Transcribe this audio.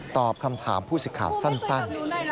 ตอบคำถามผู้ศึกข่าวสั้น